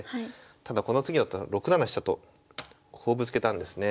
ただこの次の手６七飛車とこうぶつけたんですね。